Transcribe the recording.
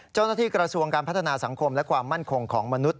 เจ้าหน้าที่กระทรวงการพัฒนาสังคมและความมั่นคงของมนุษย